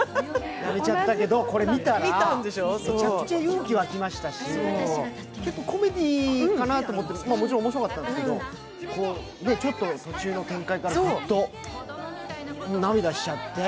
でもこれ見たら、めちゃくちゃ勇気が湧きましたし、結構コメディーと思ったんですけど、もちろん面白かったんですけどちょっと途中の展開からぐっと涙しちゃって。